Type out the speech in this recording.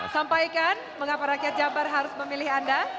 sampaikan mengapa rakyat jabar harus memilih anda